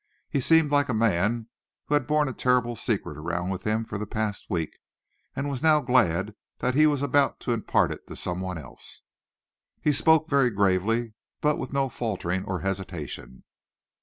He seemed like a man who had borne a terrible secret around with him for the past week, and was now glad that he was about to impart it to some one else. He spoke very gravely, but with no faltering or hesitation.